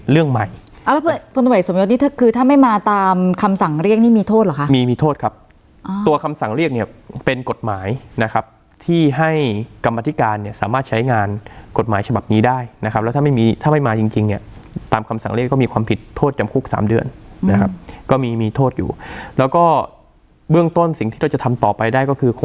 พลตรวจสมยศนี่ถ้าคือถ้าไม่มาตามคำสั่งเรียกนี่มีโทษเหรอคะมีมีโทษครับตัวคำสั่งเรียกเนี่ยเป็นกฎหมายนะครับที่ให้กรรมธิการเนี่ยสามารถใช้งานกฎหมายฉบับนี้ได้นะครับแล้วถ้าไม่มีถ้าไม่มาจริงจริงเนี่ยตามคำสั่งเรียกก็มีความผิดโทษจำคุกสามเดือนนะครับก็มีมีโทษอยู่แล้วก็เบื้องต้นสิ่งที่เราจะทำต่อไปได้ก็คือค